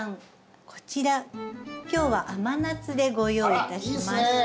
こちら今日は甘夏でご用意いたしました。